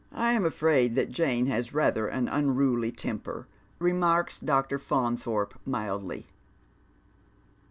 I'm afraid that Jane has rather an unruly temper," remarks Dr. Faunthorpe, mildly.